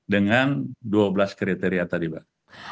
dengan dua belas kriteria tadi mbak